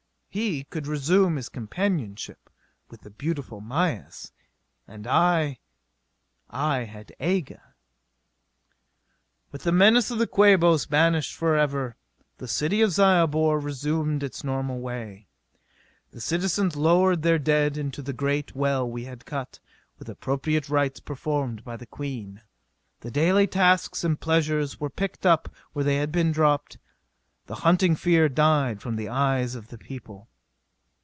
He could resume his companionship with the beautiful Mayis. And I I had Aga.... With the menace of the Quabos banished forever, the city of Zyobor resumed its normal way. The citizens lowered their dead into the great well we had cut, with appropriate rites performed by the Queen. The daily tasks and pleasures were picked up where they had been dropped. The haunting fear died from the eyes of the people.